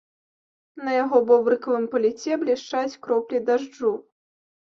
На яго бобрыкавым паліце блішчаць кроплі дажджу.